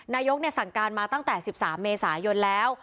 สั่งการมาตั้งแต่๑๓เมษายนแล้ว